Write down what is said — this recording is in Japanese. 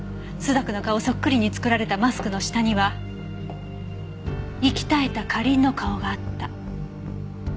「朱雀の顔そっくりに作られたマスクの下には息絶えた花凛の顔があった」